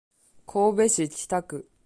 神戸市北区